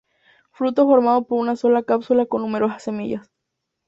Fruto formado por una sola cápsula con numerosas semillas.